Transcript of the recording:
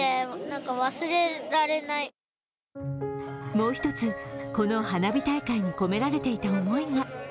もう１つ、この花火大会に込められていた思いが。